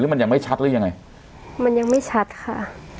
มันยังไม่ชัดหรือยังไงมันยังไม่ชัดค่ะ